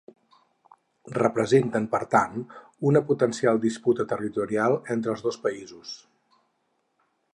Representen, per tant, una potencial disputa territorial entre els dos països.